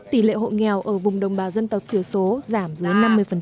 tỷ lệ hộ nghèo ở vùng đồng bào dân tộc thiểu số giảm dưới năm mươi